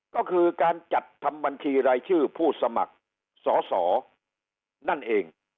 ก็คือการจัดทำบัญชีรายชื่อผู้สมัครสอสอนั่นเอง